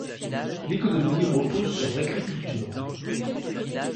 L'économie repose sur l'agriculture.